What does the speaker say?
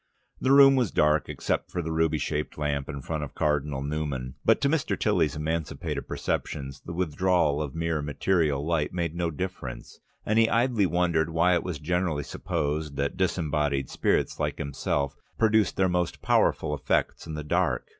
The room was dark except for the ruby shaded lamp in front of Cardinal Newman, but to Mr. Tilly's emancipated perceptions the withdrawal of mere material light made no difference, and he idly wondered why it was generally supposed that disembodied spirits like himself produced their most powerful effects in the dark.